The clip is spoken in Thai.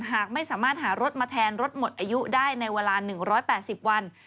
หากไม่สามารถหารถมาแทนรถหมดอายุได้ในเวลา๑๘๐วัน